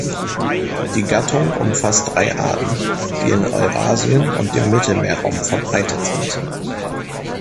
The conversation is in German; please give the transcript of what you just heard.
Die Gattung umfasst drei Arten, die in Eurasien und dem Mittelmeerraum verbreitet sind.